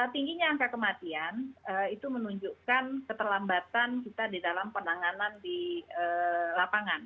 tingginya angka kematian itu menunjukkan keterlambatan kita di dalam penanganan di lapangan